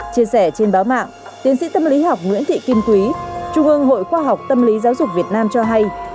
chia sẻ trên báo mạng tiến sĩ tâm lý học nguyễn thị kim quý trung ương hội khoa học tâm lý giáo dục việt nam cho hay